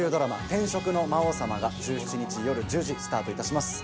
「転職の魔王様」が１７日夜１０時スタートいたします。